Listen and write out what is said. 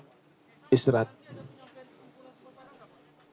ada kesimpulan kesimpulan sekeparan gak pak